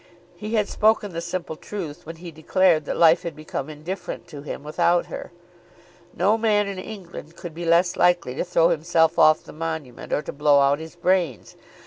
He had spoken the simple truth when he declared that life had become indifferent to him without her. No man in England could be less likely to throw himself off the Monument or to blow out his brains.